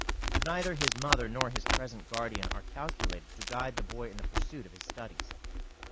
Neither his mother nor his present guardian are calculated to guide the boy in the pursuit of his studies.